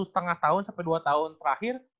tahun sampai dua tahun terakhir